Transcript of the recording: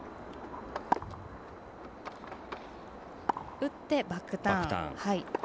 打ってバックターン。